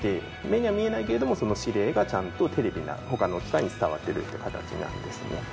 目には見えないけれどもその指令がちゃんとテレビや他の機械に伝わっているっていう形なんですね。